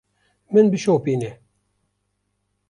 Min bişopîne.